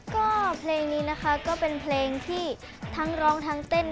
ก็เพลงนี้นะคะก็เป็นเพลงที่ทั้งร้องทั้งเต้น